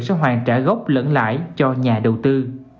sẽ hoàn trả gốc lẫn lãi cho nhà đầu tư